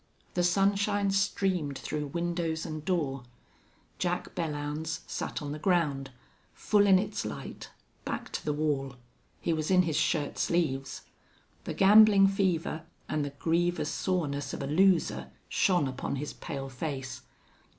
The sunshine streamed through windows and door. Jack Belllounds sat on the ground, full in its light, back to the wall. He was in his shirt sleeves. The gambling fever and the grievous soreness of a loser shone upon his pale face.